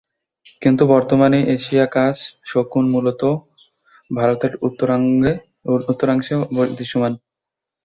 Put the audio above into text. কিন্তু বর্তমানে এশীয় রাজ শকুন মূলতঃ ভারতের উত্তরাংশে দৃশ্যমান।